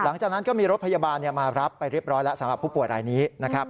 หลังจากนั้นก็มีรถพยาบาลมารับไปเรียบร้อยแล้วสำหรับผู้ป่วยรายนี้นะครับ